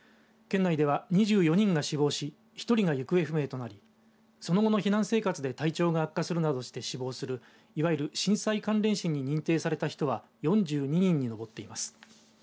県内では２４人が死亡し１人が行方不明となりその後の避難生活で体調が悪化するなどして死亡するいわゆる震災関連死に認定された人は４２人に上っています。